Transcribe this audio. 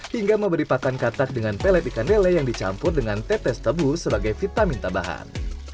hingga memberi pakan katak dengan pelet ikan lele yang dicampur dengan tetes tebu sebagai vitamin tambahan